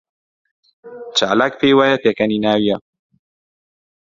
چالاک پێی وایە پێکەنیناوییە.